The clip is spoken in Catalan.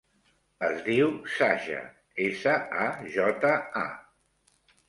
Es diu Saja: essa, a, jota, a.